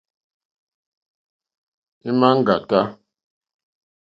Ímá ŋɡàtá.